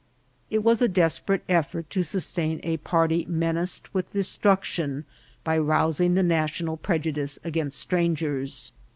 It was a desperate effort to sustain a par ty menaced with destruction by rousing the national prejudice against strangers.